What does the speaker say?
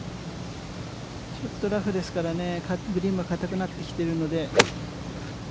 ちょっとラフですからね、グリーンはかたくなってきているので。